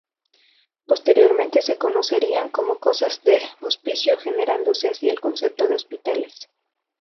Posteriormente se conocerían como casas de Hospicio generándose así el concepto de hospitales.